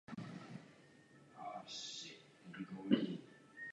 Byl ředitelem Max Planck Institute of Computer Science.